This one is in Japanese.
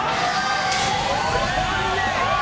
残念。